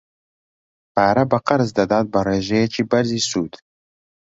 پارە بە قەرز دەدات بە ڕێژەیەکی بەرزی سوود.